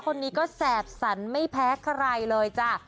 คนนี้ก็แสบสันไม่แพ้ใครเลยจ้ะ